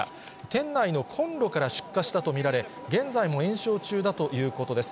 店内のコンロから出火したと見られ、現在も延焼中だということです。